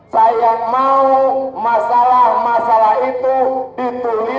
saya mau masalah masalah itu dituliskan di jokowi